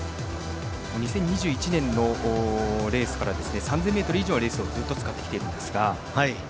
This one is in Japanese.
２０２１年のレースから３０００ｍ以上のレースをずっと使ってきているんですが。